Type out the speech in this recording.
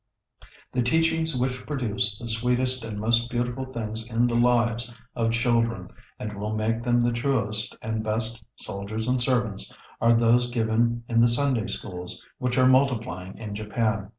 ] The teachings which produce the sweetest and most beautiful things in the lives of children, and will make them the truest and best "soldiers and servants" are those given in the Sunday Schools which are multiplying in Japan.